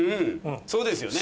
そうですよね。